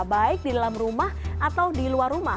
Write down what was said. baik di dalam rumah atau di luar rumah